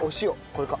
これか。